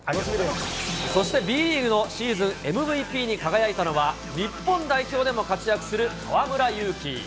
そしてＢリーグのシーズンＭＶＰに輝いたのは、日本代表でも活躍する河村勇輝。